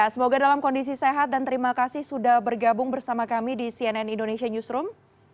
semoga dalam kondisi sehat dan terima kasih sudah bergabung bersama kami di cnn indonesia newsroom